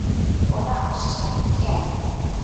ওটা আসছে, ক্যাট!